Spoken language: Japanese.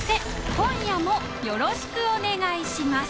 今夜もよろしくお願いします